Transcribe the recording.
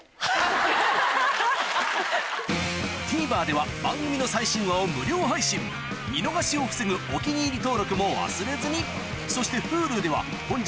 ＴＶｅｒでは番組の最新話を無料配信見逃しを防ぐ「お気に入り」登録も忘れずにそしてＨｕｌｕでは本日の放送も過去の放送も配信中